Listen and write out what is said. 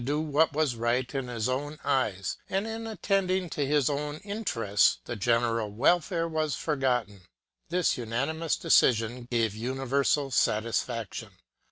46 MONTESQUIEU'S what was right in his own e3''es ; and in attending to his own interests, the general welfare was forgotten. This unanimous decision gave universal satisfaction.